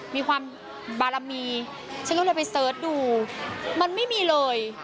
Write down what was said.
มีความบารมีฉันก็เลยไปเสิร์ชดูมันไม่มีเลย